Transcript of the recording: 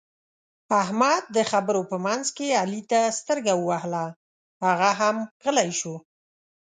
احمد د خبرو په منځ کې علي ته سترګه ووهله؛ هغه هم غلی شو.